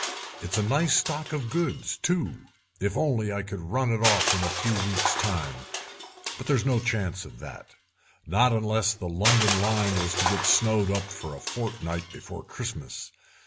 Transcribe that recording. It's a nice stock of goods, too, if I could only run it off in a few weeks time, but there's no chance of that—not unless the London line was to get snowed up for a fortnight before Christmas.